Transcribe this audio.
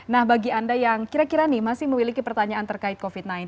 nah bagi anda yang kira kira nih masih memiliki pertanyaan terkait covid sembilan belas